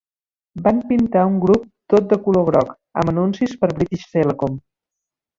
Van pintar un grup tot de color groc amb anuncis per British Telecom.